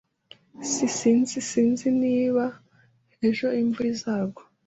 S SinziSinzi niba ejo imvura izagwa.